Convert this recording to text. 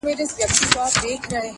څه لاس تر منځ، څه غر تر منځ.